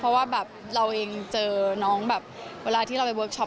เพราะว่าแบบเราเองเจอน้องแบบเวลาที่เราไปเวิร์คช็อ